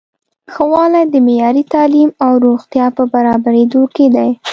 ښه والی د معیاري تعلیم او روغتیا په برابریدو کې دی.